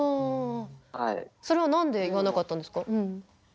それは何で言わなかったんですか？